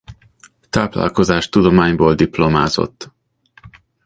Táplálkozástudományból diplomázott.